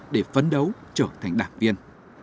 để phấn đấu trở thành đảng viên